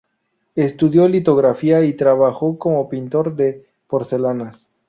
Estudió litografía y trabajó como pintor de porcelanas.